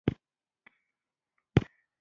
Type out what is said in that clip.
په کانونو کې د سرو زرو د بډایه کانونو کشف شو.